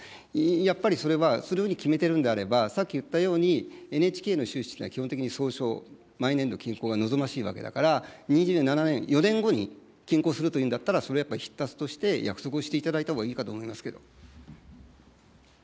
やっぱりそれは、そのように決めているのであれば、さっき言ったようにＮＨＫの収支というのは、基本的に相償、毎年度均衡が望ましいわけだから、２７年、４年後に均衡するというんだったら、それはやっぱり必達として、約束をしていただいたほうがいいかと思いますけど。